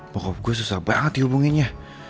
pokoknya gue susah banget dihubunginnya